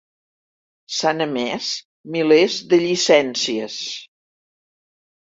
S'han emès milers de "llicències".